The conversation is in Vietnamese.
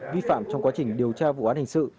vi phạm trong quá trình điều tra vụ án hình sự